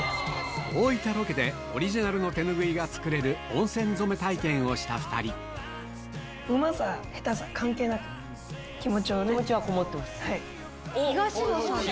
大分ロケでオリジナルの手拭いが作れる温泉染め体験をした２人うまさ下手さ関係なく気持ちをね。